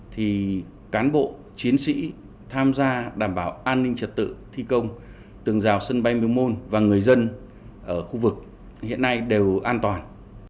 thì cán bộ chiến sĩ tham gia đảm bảo an ninh trật tự thi công tường rào sân bay miếu môn và người dân ở khu vực hiện nay đều an toàn